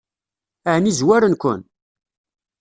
Ɛni zwaren-ken?